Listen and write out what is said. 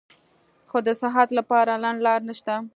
خو د صحت له پاره لنډه لار نشته -